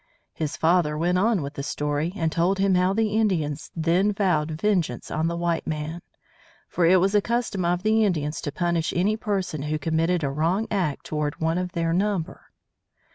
His father went on with the story, and told him how the Indians then vowed vengeance on the white man; for it was a custom of the Indians to punish any person who committed a wrong act towards one of their number.